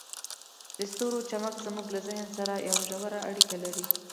د ستورو چمک زموږ له ذهن سره یوه ژوره اړیکه لري.